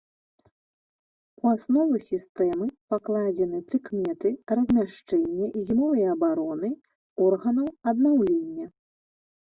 У аснову сістэмы пакладзены прыкметы размяшчэння і зімовай абароны органаў аднаўлення.